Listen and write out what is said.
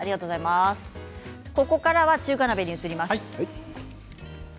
ここからは中華鍋に移ります。